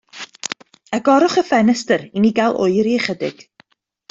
Agorwch y ffenest i ni gael oeri ychydig.